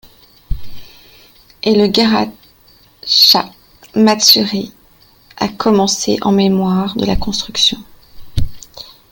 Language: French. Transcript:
Et le Garasha Matsuri a commencé en mémoire de la construction.